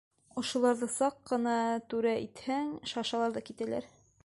Ошоларҙы саҡ ҡына түрә итһәң, шашалар ҙа китәләр.